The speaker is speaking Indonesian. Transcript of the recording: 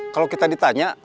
kalau kita ditanya